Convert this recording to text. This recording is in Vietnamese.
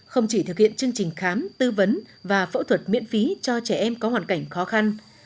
không chỉ thực hiện chương trình khám tư vấn và phẫu thuật miễn phí cho trẻ em có hoàn cảnh khó khăn